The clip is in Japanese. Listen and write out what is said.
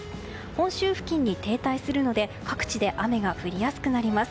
本州付近に停滞するので各地で雨が降りやすくなります。